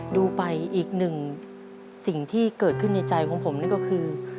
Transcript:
ดูไปอีกหนึ่งสิ่งที่เกิดขึ้นในใจของผมนี่ก็คือ